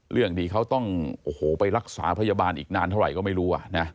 เรื่องที่เขาต้องไปรักษาพยาบาลอีกนานเท่าไหร่ก็ไม่รู้